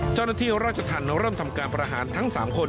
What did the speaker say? เจ้าหน้าที่ราชธรรมเริ่มทำการประหารทั้ง๓คน